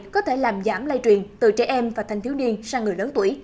có thể làm giảm lây truyền từ trẻ em và thanh thiếu niên sang người lớn tuổi